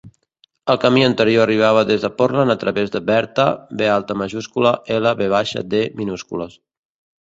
El camí anterior arribava des de Portland a través de Bertha Blvd